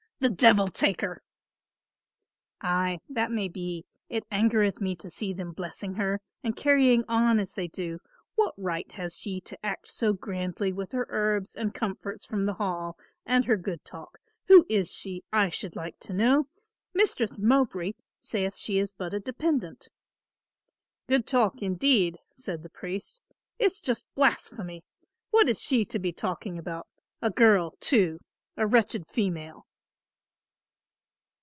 "The devil take her." "Ay, that may he; it angereth me to see them blessing her and carrying on as they do; what right has she to act so grandly with her herbs and comforts from the Hall and her good talk? Who is she, I should like to know? Mistress Mowbray saith she is but a dependent." "Good talk, indeed," said the priest. "It's just blasphemy. What is she to be talking about, a girl too, a wretched female."